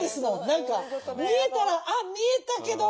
何か見えたら「あ見えたけど